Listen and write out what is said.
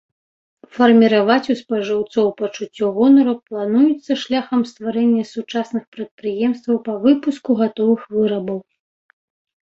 Фарміраваць у спажыўцоў пачуццё гонару плануецца шляхам стварэння сучасных прадпрыемстваў па выпуску гатовых вырабаў.